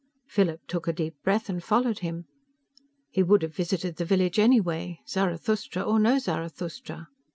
Philip took a deep breath, and followed him. He would have visited the village anyway, Zarathustra or no Zarathustra.